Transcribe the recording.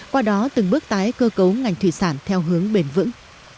qua đó từng bước tái cơ cấu ngành thủy sản theo hướng bền vững